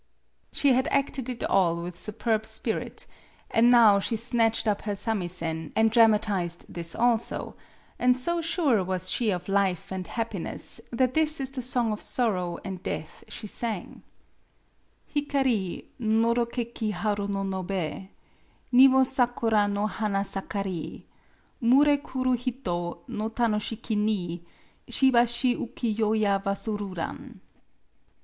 She had acted it all with superb spirit, and now she snatched up her samisen, and dramatized this also; and so sure was she of life and happiness that this is the song of sorrow and death she sang: " Hikari nodokeki haru no nobe, Niwo sakura no hana sakari, Mure kuru hito no tanoshiki ni, Shibashi uki yo ya wasururan.